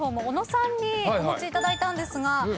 小野さんにお持ちいただいたんですが。